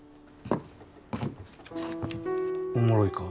おもろいか？